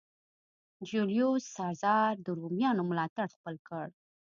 جیولیوس سزار د رومیانو ملاتړ خپل کړ.